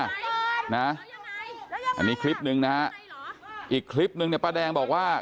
อันนี้คลิปหนึ่งนะฮะอีกคลิปนึงเนี่ยป้าแดงบอกว่า